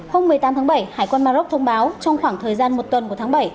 hôm một mươi tám tháng bảy hải quan maroc thông báo trong khoảng thời gian một tuần của tháng bảy